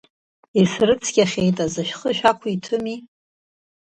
Исрыцқьахьеит азы, шәхы шәақәиҭми.